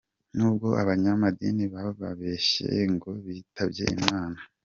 Nubwo abanyamadini bababeshya ngo bitabye imana.